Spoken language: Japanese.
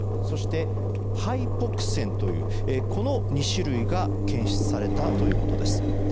そして、ハイポクセンというこの２種類が検出されたということです。